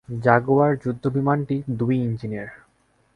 Jaguar যুদ্ধবিমানটি দুই ইঞ্জিনের।